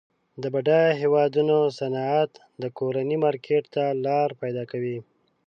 د بډایه هیوادونو صنعت د کورني مارکیټ ته لار پیداکوي.